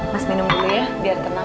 mas minum dulu ya biar tenang